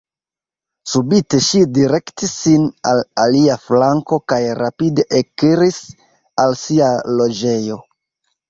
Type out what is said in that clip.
Subite ŝi direktis sin al alia flanko kaj rapide ekiris al sia loĝejo.